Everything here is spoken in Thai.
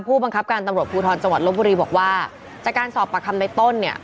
ผู้บังคับการตำรวจภูทรจังหวัดลบบุรีบอกว่าจากการสอบประคำในต้นเนี่ย